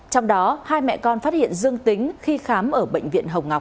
trong đó hai mẹ con phát hiện dương tính khi khám ở bệnh viện hồng ngọc